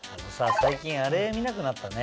最近あれ見なくなったね。